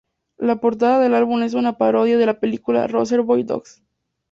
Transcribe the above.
La portada del álbum es una parodia de la película Reservoir Dogs.